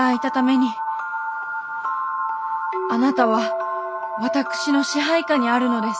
あなたは私の支配下にあるのです。